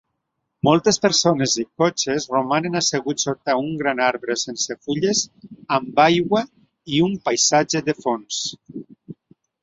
Moltes persones i cotxes romanen asseguts sota un gran arbre sense fulles amb aigua i un paisatge de fons.